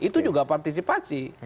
itu juga partisipasi